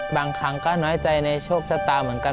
บางครั้งก็น้อยใจในโชคชะตาเหมือนกัน